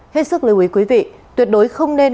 hết sức lưu ý quý vị tuyệt đối không nên